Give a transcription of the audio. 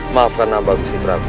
maafkan nama gusti prabu